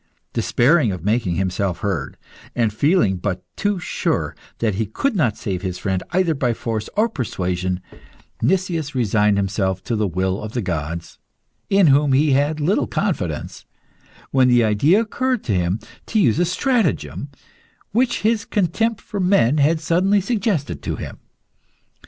Despairing of making himself heard, and feeling but too sure that he could not save his friend either by force or persuasion, Nicias resigned himself to the will of the gods in whom he had little confidence when the idea occurred to him to use a stratagem which his contempt for men had suddenly suggested to him.